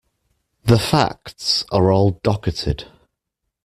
The facts are all docketed.